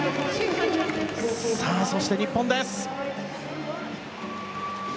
そして日本です。